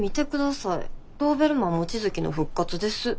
ドーベルマン望月の復活です」。